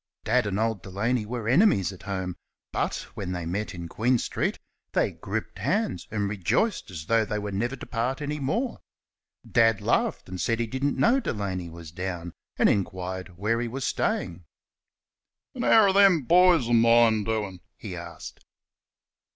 Dad and old Delaney were enemies at home, but when they met in Queen street they gripped hands and rejoiced as though they were never to part any more. Dad laughed and said he didn't know Delaney was down, and inquired where he was staying. "An' how're them boys o' mine doin'?" he asked.